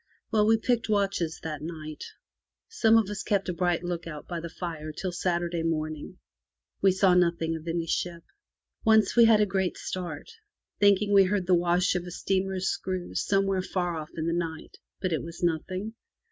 Well, we picked watches that night. Some of us kept a bright look out by the fire till Saturday morning. We saw nothing of any ship. Once we had a great start, thinking we heard the wash of a steamer's screws somewhere far off in the night; but it was nothing.